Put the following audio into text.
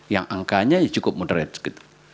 yang angkanya cukup moderat gitu